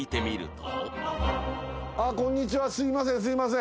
すいませんすいません